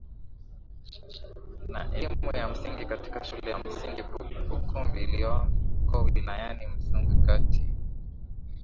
na elimu ya msingi katika Shule ya Msingi Bukumbi iliyoko wilaya ya Misungwi kati